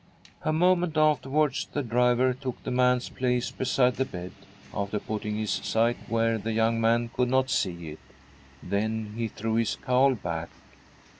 A moment afterwards the driver took the man's place beside the bed, after putting his scythe where the young man could not see it — then he threw his cowl back.